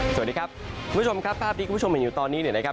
สวัสดีครับคุณผู้ชมครับภาพที่คุณผู้ชมเห็นอยู่ตอนนี้เนี่ยนะครับ